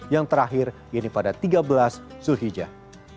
yang terakhir ini pada tiga belas sulhijjah